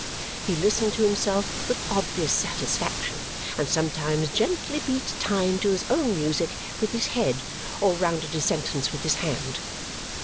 He listened to himself with obvious satisfaction and sometimes gently beat time to his own music with his head or rounded a sentence with his hand.